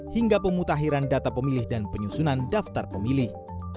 hingga pemutahiran data pemilih dan penyusunan daftar pemilih